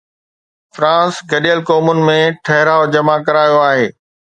France گڏيل قومن ۾ ٺهراءُ جمع ڪرايو آهي.